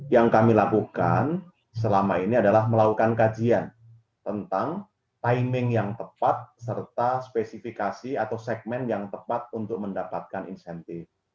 yang kami lakukan selama ini adalah melakukan kajian tentang timing yang tepat serta spesifikasi atau segmen yang tepat untuk mendapatkan insentif